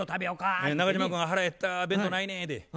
中島君が「腹へった弁当ないねん」て。